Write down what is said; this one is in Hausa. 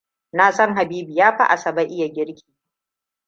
Na san Habibu ya fi Asabe iya girki.